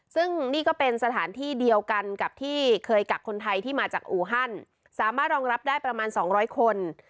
ซึ่งนี่ก็เป็นสถานที่เดียวกันกับที่เคยกักคนไทยที่มาจากอูฮันสามารถรองรับได้ประมาณ๒๐๐คน